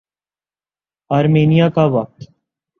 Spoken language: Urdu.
آرمینیا کا وقت